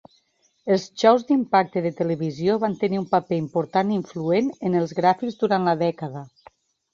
Els xous d'impacte de televisió van tenir un paper important i influent en els gràfics durant la dècada.